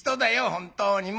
本当にもう。